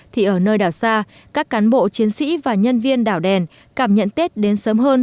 thì ở nơi đảo xa các cán bộ chiến sĩ và nhân viên đảo đèn cảm nhận tết đến sớm hơn